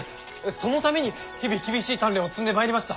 そのために日々厳しい鍛錬を積んでまいりました。